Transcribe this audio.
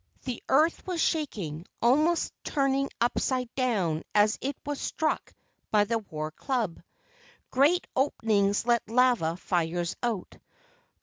The earth was shaking, almost turning upside down as it was struck by the war club. Great openings let lava fires out.